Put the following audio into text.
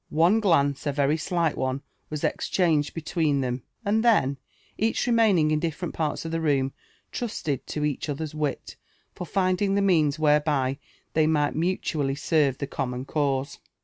One glance, a very slight one, was exchanged belweeQ them ; and then, each remaining in dilTerent parts of the room, trusled to each other's wit, for fmding the means whereby they might mutually derve the common cause.